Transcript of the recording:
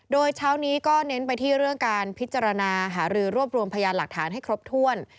โดยเช้านี้ก็เน้นไปที่เรื่องการพิจารณาหารือรวบรวมพยานหลักฐานให้ครบถ้วน